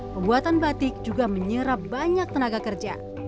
pembuatan batik juga menyerap banyak tenaga kerja